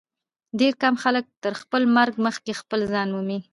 ډېر کم خلک تر خپل مرګ مخکي خپل ځان مومي.